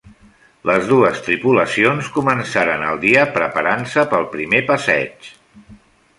Les dues tripulacions començaren el dia preparant-se pel primer passeig.